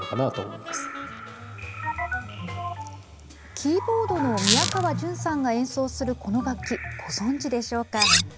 キーボードの宮川純さんが演奏する、この楽器ご存じでしょうか？